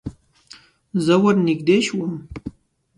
زه ور نږدې شوم.